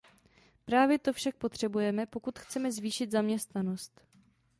Právě to však potřebujeme, pokud chceme zvýšit zaměstnanost.